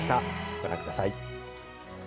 ご覧ください。